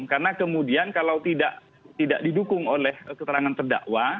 karena kemudian kalau tidak didukung oleh keterangan terdakwa